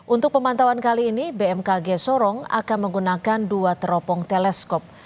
untuk pemantauan kali ini bmkg sorong akan menggunakan dua teropong teleskop